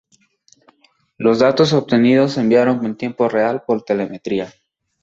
Los datos obtenidos se enviaron en tiempo real por telemetría.